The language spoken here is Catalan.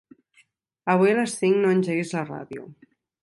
Avui a les cinc no engeguis la ràdio.